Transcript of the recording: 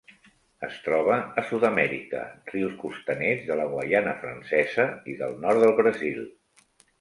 Es troba a Sud-amèrica: rius costaners de la Guaiana Francesa i del nord del Brasil.